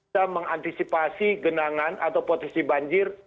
dan mengantisipasi genangan atau potensi banjir